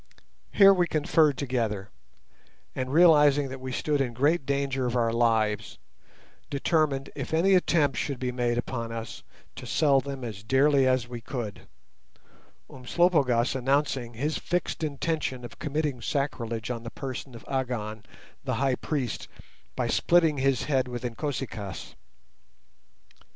Here we conferred together, and realizing that we stood in great danger of our lives, determined, if any attempt should be made upon us, to sell them as dearly as we could—Umslopogaas announcing his fixed intention of committing sacrilege on the person of Agon, the High Priest, by splitting his head with Inkosi kaas.